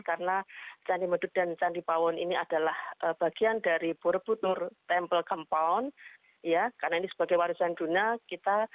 karena candi mendut dan candi pawon ini adalah bagian dari borobudur temple kampong ya karena ini sebagai warisan dunia